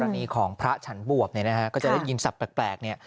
กรณีของพระฉันบวบเนี้ยนะฮะก็จะได้ยินสับแปลกแปลกเนี้ย